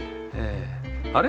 あれ？